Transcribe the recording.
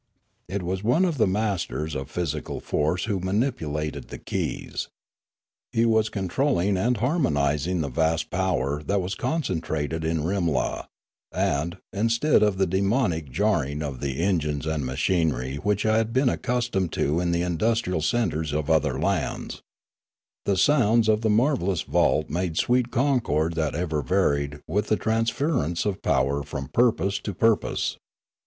It was one of the masters of physical force who manipulated the keys. He was controlling and har Rimla 103 monising the vast power that was concentrated in Rimla, and, instead of the demoniac jarring of the engines and machinery which I had been accustomed to in the industrial centres of other lands, the sounds of the marvellous vault made sweet concord that ever varied with the transference of power from purpose to purpose.